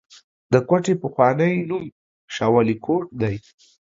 د کوټې پخوانی نوم شالکوټ دی